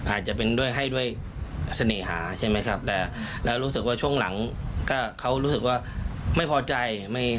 อาจจะเป็นด้วยให้ด้วยเสน่หาใช่ไหมครับแต่แล้วรู้สึกว่าช่วงหลังก็เขารู้สึกว่าไม่พอใจ